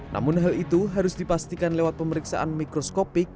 namun hal itu harus dipastikan lewat pemeriksaan mikroskopik